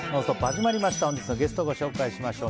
始まりました。